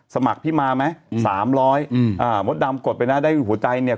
สมัครพี่มาไหม๓ร้อยหมดดำกดไปได้หัวใจ